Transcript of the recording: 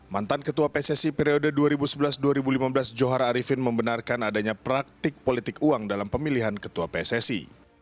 mantan ketua pssi periode dua ribu sebelas dua ribu lima belas johar arifin membenarkan adanya praktik politik uang dalam pemilihan ketua pssi